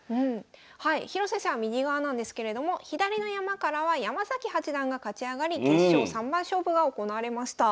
広瀬さん右側なんですけれども左の山からは山崎八段が勝ち上がり決勝三番勝負が行われました。